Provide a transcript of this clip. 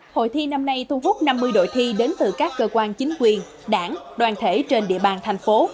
hội thi năm nay thu hút năm mươi đội thi đến từ các cơ quan chính quyền đảng đoàn thể trên địa bàn thành phố